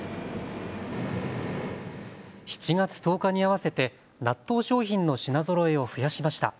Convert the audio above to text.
７月１０日に合わせて納豆商品の品ぞろえを増やしました。